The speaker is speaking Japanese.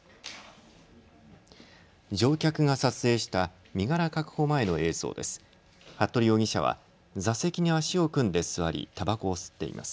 乗客が撮影した身柄確保前の映像です。